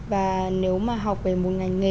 và nếu mà học về một ngành nghề